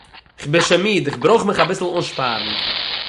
איך בין שוין מיד. איך ברויך מיך אביסל אנשפארן